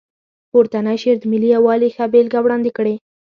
پورتنی شعر د ملي یووالي ښه بېلګه وړاندې کړې.